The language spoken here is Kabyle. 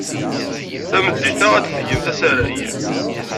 Tameddit-a, ad d-tgemt asarag.